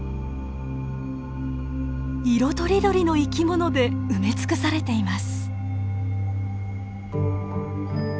色とりどりの生き物で埋め尽くされています。